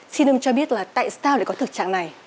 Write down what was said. xin ông cho biết là tại sao lại có thực trạng này